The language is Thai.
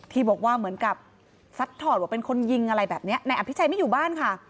ที่บอกว่าเหมือนกับซัดถอดว่าเป็นคนยิงอะไรแบบนี้นายอภิชัยไม่อยู่บ้านค่ะ